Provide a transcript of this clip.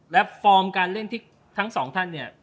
และฟอร์มการเล่นที่ทั้งสองท่านเนี่ย